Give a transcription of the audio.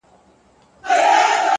صبر د اوږدو موخو ملګری پاتې کېږي،